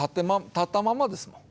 立ったまんまですもん。